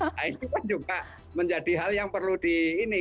nah itu kan juga menjadi hal yang perlu di ini